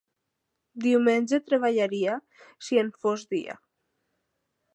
Diumenge treballaria, si en fos dia.